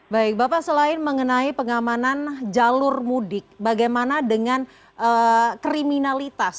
baik bapak selain mengenai pengamanan jalur mudik bagaimana dengan kriminalitas